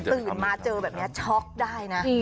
ตื่นมาเจอแบบนี้ช็อกได้นะ